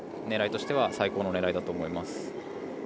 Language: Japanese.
狙いとしては最高の狙いだと思います。